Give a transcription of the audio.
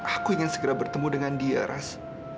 aku ingin segera bertemu dengan dia ras